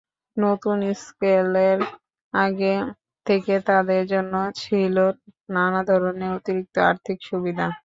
নতুন স্কেলের আগে থেকে তাঁদের জন্য ছিল নানা ধরনের অতিরিক্ত আর্থিক সুবিধাও।